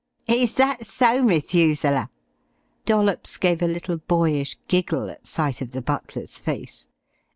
"Is that so, Methuselah?" Dollops gave a little boyish giggle at sight of the butler's face.